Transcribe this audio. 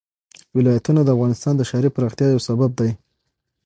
ولایتونه د افغانستان د ښاري پراختیا یو سبب دی.